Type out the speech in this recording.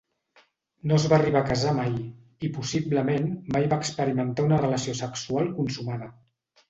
No es va arribar a casar mai i possiblement mai va experimentar una relació sexual consumada.